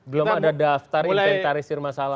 belum ada daftar inventarisir masalah